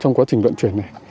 trong quá trình vận chuyển này